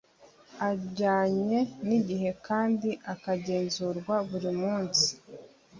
ajyanye n igihe kandi akagenzurwa buri munsi